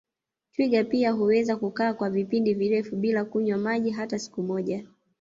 Twiga pia huweza kukaa kwa vipindi virefu bila kunywa maji hata siku moja